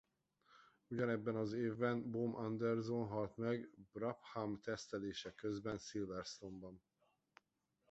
Ugyanebben az évben Bob Anderson halt meg a Brabham tesztelése közben Silverstone-ban.